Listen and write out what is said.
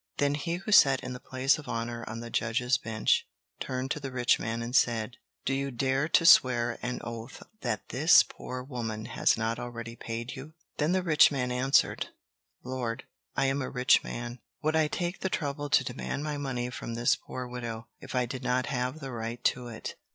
Then he who sat in the place of honor on the judges' bench, turned to the rich man and said: "Do you dare to swear on oath that this poor woman has not already paid you?" Then the rich man answered: "Lord, I am a rich man. Would I take the trouble to demand my money from this poor widow, if I did not have the right to it?